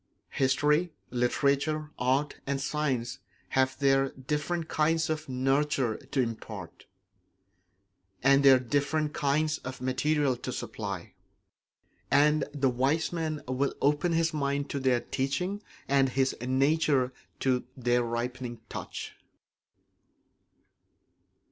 History, literature, art, and science have their different kinds of nurture to impart, and their different kinds of material to supply; and the wise man will open his mind to their teaching and his nature to their ripening touch.